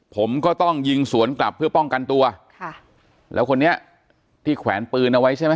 ผมก็ต้องยิงสวนกลับเพื่อป้องกันตัวค่ะแล้วคนนี้ที่แขวนปืนเอาไว้ใช่ไหม